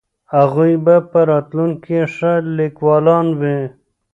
هغوی به په راتلونکي کې ښه لیکوالان وي.